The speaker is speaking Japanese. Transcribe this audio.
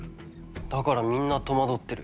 だからみんな戸惑ってる。